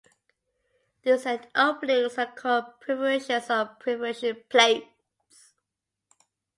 These end openings are called perforations or perforation plates.